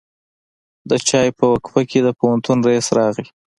د چای په وقفه کې د پوهنتون رئیس راغی.